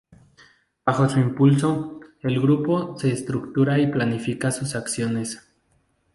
Bajo su impulso, el grupo se estructura y planifica sus acciones.